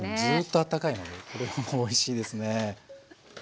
ずっとあったかいのでこれもおいしいですね。